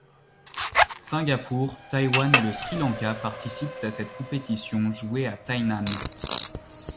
Singapour, Taïwan et le Sri Lanka participent à cette compétition, jouée à Tainan.